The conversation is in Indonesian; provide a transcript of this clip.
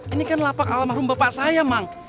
ini kan lapak alam harum bapak saya mang